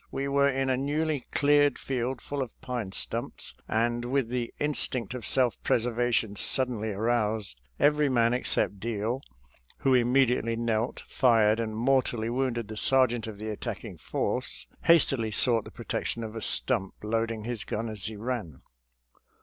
We were in a newly cleared field full of pine stumps, and, with the instinct of self preservation suddenly aroused, every man except Deal — who immediately knelt, fired and mortally wounded the sergeant of the attacking force — hastily sought the protection of a stump, load ing his gun as he ran.